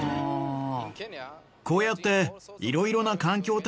こうやって。